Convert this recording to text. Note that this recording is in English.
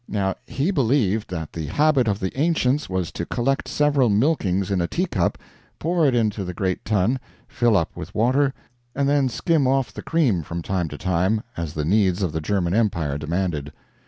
Now he believed that the habit of the ancients was to collect several milkings in a teacup, pour it into the Great Tun, fill up with water, and then skim off the cream from time to time as the needs of the German Empire demanded.